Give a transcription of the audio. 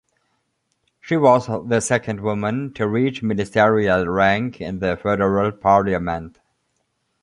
She was the second woman to reach ministerial rank in the Federal Parliament.